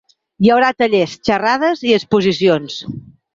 Hi haurà tallers, xerrades i exposicions.